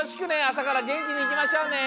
朝からげんきにいきましょうね！